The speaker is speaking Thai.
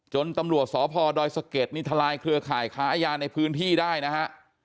ตำรวจสพดอยสะเก็ดนี่ทลายเครือข่ายค้ายาในพื้นที่ได้นะฮะ